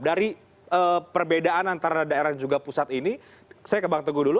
dari perbedaan antara daerah dan juga pusat ini saya ke bang teguh dulu